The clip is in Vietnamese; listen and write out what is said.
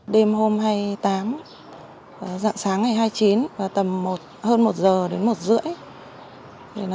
đêm hôm hai mươi tám dặn sáng ngày hai mươi chín tầm hơn một giờ đến một rưỡi